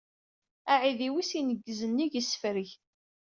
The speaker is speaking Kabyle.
Aɛidiw-is ineggez nnig isefreg.